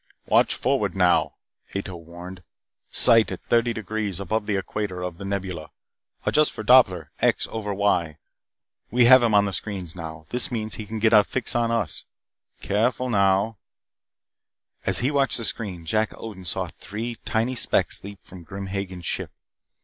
"Watch forward now!" Ato warned. "Sight at thirty degrees above the equator of The Nebula. Adjust for Doppler X over Y. We have him on the screens now. This means that he can get a fix on us. Careful now " As he watched the screen, Jack Odin saw three tiny sparks leap from Grim Hagen's ship.